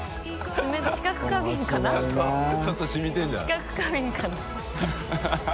知覚過敏かな